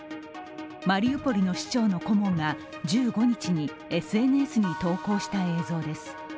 マリウポリの市長の顧問が１５日にＳＮＳに投稿した映像です。